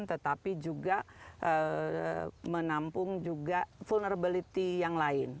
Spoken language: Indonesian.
tetapi juga menampung juga vulnerability yang lain